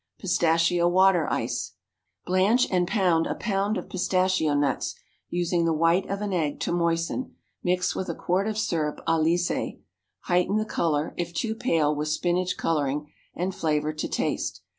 Pistachio Water Ice. Blanch and pound a pound of pistachio nuts, using the white of an egg to moisten; mix with a quart of syrup à lissé. Heighten the color, if too pale, with spinach coloring, and flavor to taste.